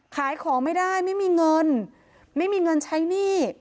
ขายของไม่ได้ไม่มีเงินไม่มีเงินใช้หนี้